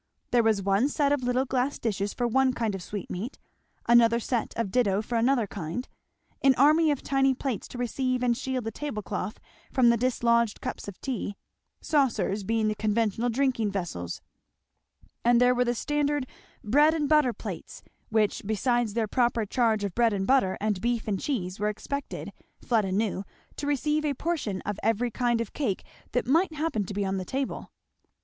There was one set of little glass dishes for one kind of sweetmeat, another set of ditto for another kind; an army of tiny plates to receive and shield the tablecloth from the dislodged cups of tea, saucers being the conventional drinking vessels; and there were the standard bread and butter plates, which besides their proper charge of bread and butter and beef and cheese, were expected, Fleda knew, to receive a portion of every kind of cake that might happen to be on the table.